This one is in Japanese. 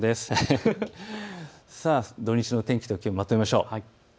土日の天気と気温をまとめましょう。